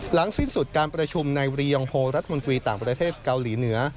สิ้นสุดการประชุมในรียองโฮรัฐมนตรีต่างประเทศเกาหลีเหนือ